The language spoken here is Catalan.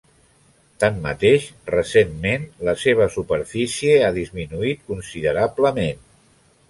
Tanmateix recentment la seva superfície ha disminuït considerablement.